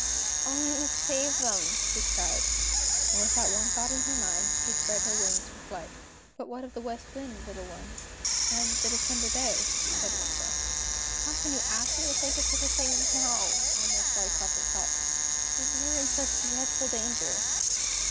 "Oh, I must save them!" she cried, and with that one thought in her mind, she spread her wings for flight. "But what of the West Wind, little one and the December day?" said Waomba. "Oh, how can you ask me to think of such a thing now," almost sobbed Coppertop, "when they are in such dreadful danger?"